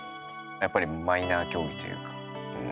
やっぱりマイナー競技というか。